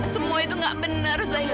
semua itu gak benar zaira